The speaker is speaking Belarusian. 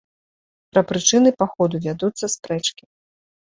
Пра прычыны паходу вядуцца спрэчкі.